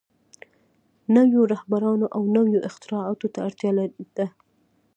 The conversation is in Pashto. نويو رهبرانو او نويو اختراعاتو ته اړتيا ده.